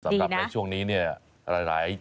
สำหรับในช่วงนี้เนี่ยหลายจุด